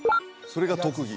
それが特技？